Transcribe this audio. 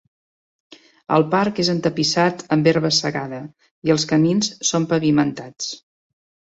El parc és entapissat amb herba segada, i els camins són pavimentats.